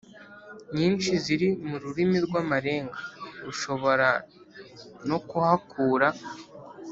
nyinshi ziri mu rurimi rw amarenga Ushobora no kuhakura